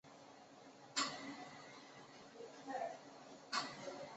而在内部档案中也有不少其他角色造成的存档。